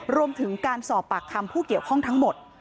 รวมถึงการสอบปากคำผู้เกี่ยวข้องทั้งหมด